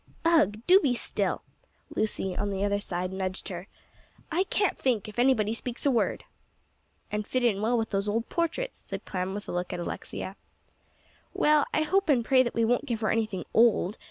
"Ugh! do be still." Lucy, on the other side, nudged her. "I can't think, if anybody speaks a word." "And fit in well with those old portraits," said Clem, with a look at Alexia. "Well, I hope and pray that we won't give her anything old.